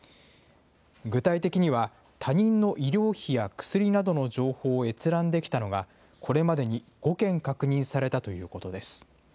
具体的には、他人の医療費や薬などの情報を閲覧できたのが、これまでに５件確認されたということです。